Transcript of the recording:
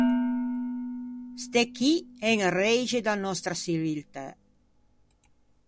Ste chì en e reixe da nòstra çiviltæ.